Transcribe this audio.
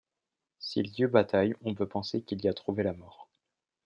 S'il y eut bataille, on peut penser qu'il y a trouvé la mort.